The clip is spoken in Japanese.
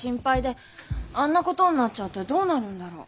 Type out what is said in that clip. あんなことになっちゃってどうなるんだろう。